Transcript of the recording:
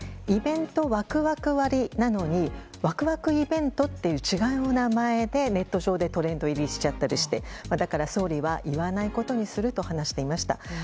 イベントワクワク割なのにワクワクイベントという違う名前でネット上でトレンド入りしちゃったりしてだから総理は言わないことにすると話していました。